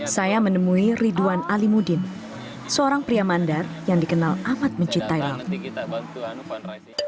saya menemui ridwan ali mudin seorang pria mandar yang dikenal amat mencintai lautan